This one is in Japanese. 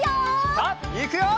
さあいくよ！